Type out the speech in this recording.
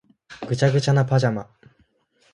ぐちゃぐちゃなパジャマ